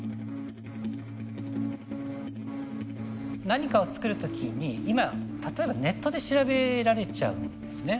何かを作る時に今例えばネットで調べられちゃうんですね。